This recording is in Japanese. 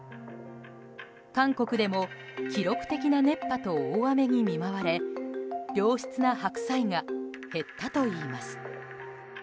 韓国でも記録的な熱波と大雨に見舞われ良質な白菜が減ったといいます。